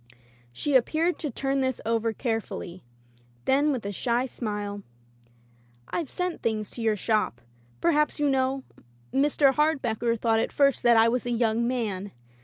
She appeared to turn this over carefully; then with a shy smile: "I've sent things to your shop — ^perhaps you know ? Mr. Hardbecker thought at first that I was a young man.